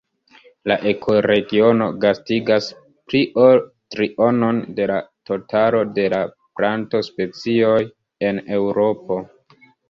La ekoregiono gastigas pli ol trionon de la totalo de la plantospecioj en Eŭropo.